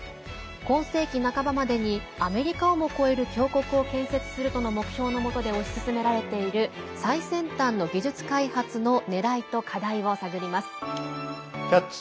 今世紀半ばまでにアメリカをも超える強国を建設するとの目標のもとで推し進められている最先端の技術開発のねらいと「キャッチ！